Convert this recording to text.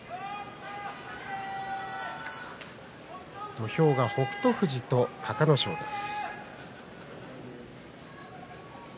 土俵は北勝富士と隆の勝です。